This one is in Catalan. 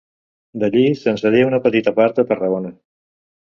D'allí, se'n cedí una petita part a Tarragona.